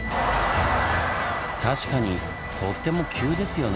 確かにとっても急ですよね。